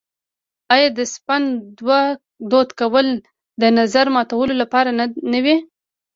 آیا د سپند دود کول د نظر ماتولو لپاره نه وي؟